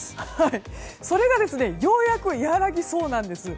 それがようやく和らぎそうです。